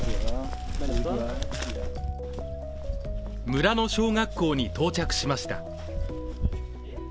村の小学校に到着しました。